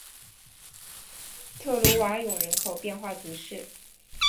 特鲁瓦永人口变化图示